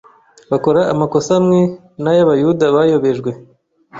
bakora amakosa amwe n’ay’Abayuda bayobejwe.